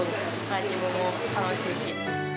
自分も楽しいし。